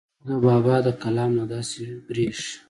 خو د بابا د کلام نه داسې بريښي